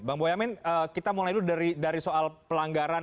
bang boyamin kita mulai dulu dari soal pelanggaran